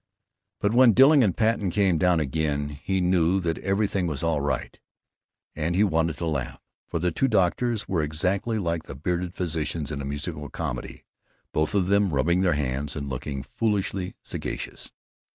But when Dilling and Patten came down again he knew that everything was all right, and he wanted to laugh, for the two doctors were exactly like the bearded physicians in a musical comedy, both of them rubbing their hands and looking foolishly sagacious.